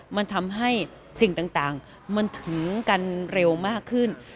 มันทำให้สิ่งต่างมันถึงกันเร็วมากขึ้น